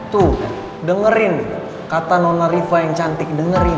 tuh dengerin kata nona riva yang cantik dengerin